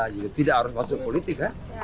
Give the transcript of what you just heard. juga tidak harus masuk politik kan